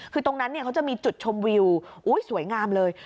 คือตรงนั้นเขาจะมีจุดชมวิวสวยงามเลย